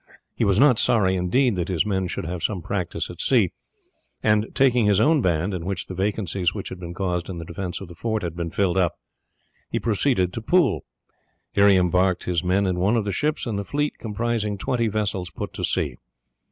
He was not sorry, indeed, that his men should have some practise at sea, and taking his own band, in which the vacancies which had been caused in the defence of the fort had been filled up, he proceeded to Poole. Here he embarked his men in one of the ships, and the fleet, comprising twenty vessels, put to sea.